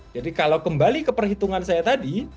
jadi kalau kembali ke perhitungan saya tadi